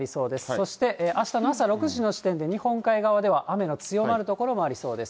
そしてあしたの朝６時の時点で日本海側では雨の強まる所もありそうです。